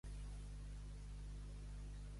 El Vallespir, d'amor em fa sofrir.